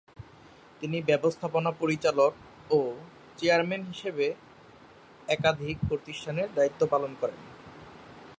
তিনি ব্যবস্থাপনা পরিচালক ও চেয়ারম্যান হিসাবে একাধিক প্রতিষ্ঠানের দায়িত্ব পালন করেন।